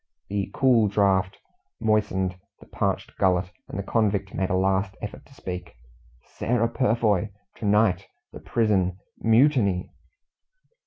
The cool draught moistened his parched gullet, and the convict made a last effort to speak. "Sarah Purfoy to night the prison MUTINY!"